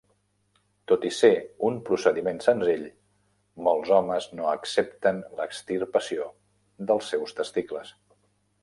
Tot i ser un procediment senzill, molts homes no accepten l'extirpació dels seus testicles.